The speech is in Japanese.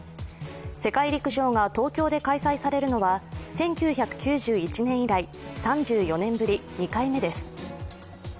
世界陸上が東京で開催されるのは１９９１年以来、３４年ぶり２回目です。